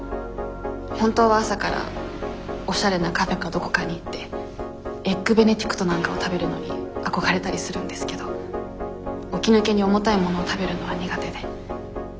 本当は朝からおしゃれなカフェかどこかに行ってエッグベネディクトなんかを食べるのに憧れたりするんですけど起き抜けに重たいものを食べるのは苦手で。